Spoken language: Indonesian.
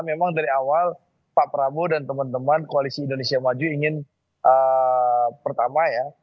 memang dari awal pak prabowo dan teman teman koalisi indonesia maju ingin pertama ya